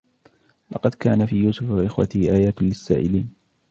لقد كان في يوسف وإخوته آيات للسائلين